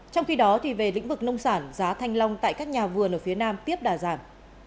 trong khi đó về lĩnh vực nông sản giá thanh long tại các nhà vườn ở phía nam tiếp đà giảm